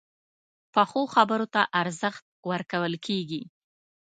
پخو خبرو ته ارزښت ورکول کېږي